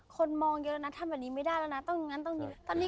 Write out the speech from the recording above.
คนมองเยอะแล้วนะทำแบบนี้ไม่ได้แล้วนะต้องอย่างนั้นตรงนี้